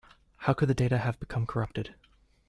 How can the data have become corrupted?